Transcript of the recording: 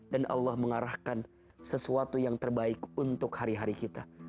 dan allah mengarahkan sesuatu yang terbaik untuk hari hari kita